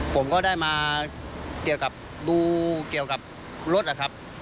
ผมก็ได้มาดูเกี่ยวกับรถครับ